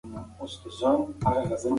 د موسسې دېوالونه په نوي رنګ رنګ شوي دي.